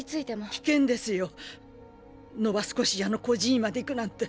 危険ですよノバスコシアの孤児院まで行くなんて。